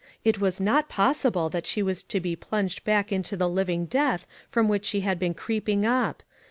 It was not possible that she was to be plunged back into the living death from which she had been creeping up.